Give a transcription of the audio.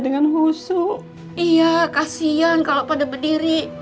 iya kasian kalau pada berdiri